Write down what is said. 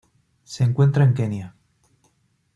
Se encuentra en Kenia.